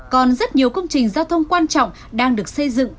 còn rất nhiều công trình giao thông quan trọng đang được xây dựng